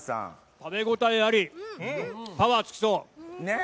食べごたえあり、パワーつきそう！